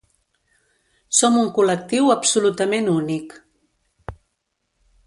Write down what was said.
Som un col·lectiu absolutament únic.